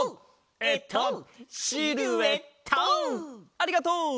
ありがとう！